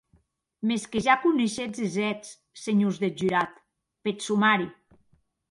Mès que ja coneishetz es hèts, senhors deth jurat, peth somari.